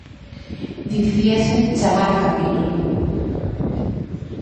Dicíase "chamar a capítulo".